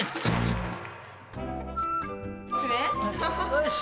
よし。